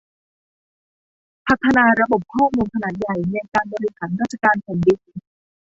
พัฒนาระบบข้อมูลขนาดใหญ่ในการบริหารราชการแผ่นดิน